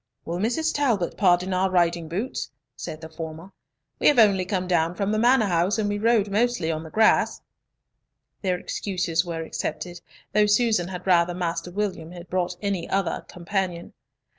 "Will Mrs. Talbot pardon our riding boots?" said the former. "We have only come down from the Manor house, and we rode mostly on the grass." Their excuses were accepted, though Susan had rather Master William had brought any other companion.